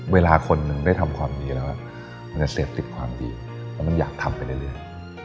เวลาคนหนึ่งได้ทำความดีแล้วมันจะเสพติดความดีเพราะมันอยากทำไปเรื่อย